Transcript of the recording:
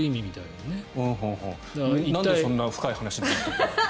なんでそんな深い話になったんですか？